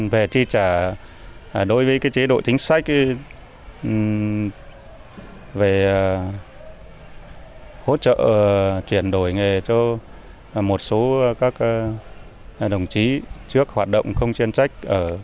về tri trả đối với chế độ tính sách về hỗ trợ chuyển đổi nghề cho một số các đồng chí trước hoạt động không chuyên trách